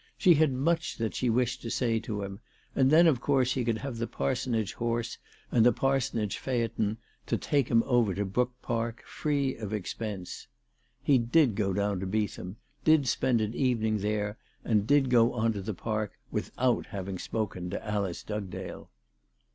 She had much that she wished to say to him, and then of course he could have the parsonage horse and the parsonage phaeton to take him over to Brook Park free of expense. He did go down to Beetham, did spend an evening there, and did go on to the Park without having spoken to Alice Dugdale.